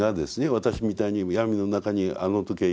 私みたいに闇の中にあの時はいたわけです。